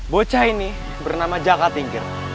bocah ini bernama jaka tingkir